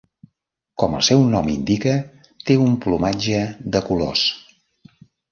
Com el seu nom indica, té un plomatge de colors.